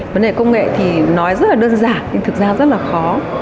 vấn đề công nghệ thì nói rất là đơn giản nhưng thực ra rất là khó